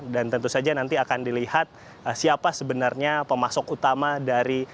dan tentu saja nanti akan dilihat siapa sebenarnya pemasok utama dari